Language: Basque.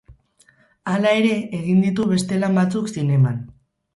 Hala ere egin ditu beste lan batzuk zineman.